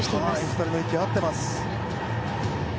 ２人の息が合っています。